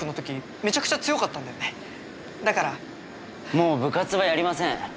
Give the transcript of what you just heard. もう部活はやりません。